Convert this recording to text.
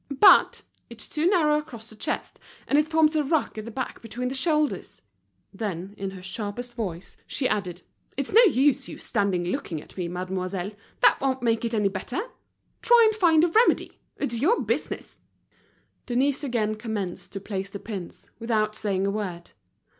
"But it's too narrow across the chest, and it forms a ruck at the back between the shoulders." Then, in her sharpest voice, she added: "It's no use you standing looking at me, mademoiselle, that won't make it any better! Try and find a remedy. It's your business." Denise again commenced to place the pins, without saying a word.